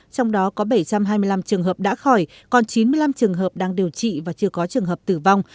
trong đó có bảy trăm hai mươi năm trường hợp đã khỏi còn chín mươi năm trường hợp đang điều trị và chưa có trường hợp tử vong